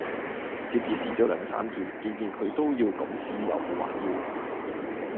點知試左兩三件，件件佢都要咁試又無話要